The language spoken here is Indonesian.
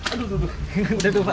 aduh tuh udah tumpah